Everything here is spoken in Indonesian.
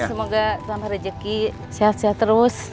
semoga selama rezeki sehat sehat terus